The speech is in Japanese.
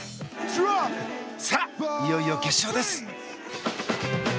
さあ、いよいよ決勝です。